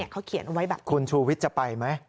เขาเขียนไว้แบบนี้คุณชูวิทย์จะไปไหม